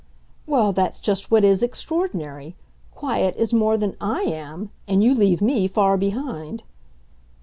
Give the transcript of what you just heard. "Well, that's just what is extraordinary. 'Quiet' is more than I am, and you leave me far behind."